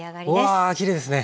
わあきれいですね！